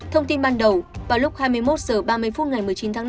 thông tin ban đầu vào lúc hai mươi một h ba mươi phút ngày một mươi chín tháng năm